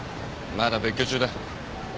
まだ別居中だ。